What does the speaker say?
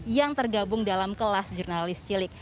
yang tergabung dalam kelas jurnalis cilik